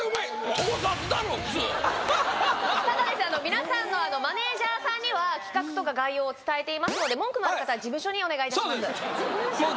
皆さんのマネージャーさんには企画とか概要を伝えていますので文句のある方は事務所にお願いいたしますそうです